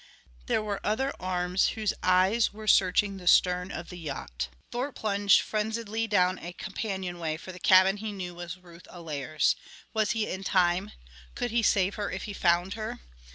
There were other arms whose eyes were searching the stern of the yacht. Thorpe plunged frenziedly down a companionway for the cabin he knew was Ruth Allaire's. Was he in time? Could he save her if he found her?